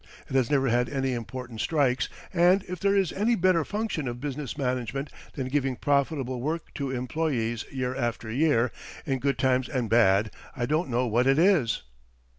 It has never had any important strikes, and if there is any better function of business management than giving profitable work to employees year after year, in good times and bad, I don't know what it is.